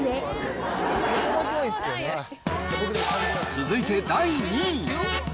続いて第２位。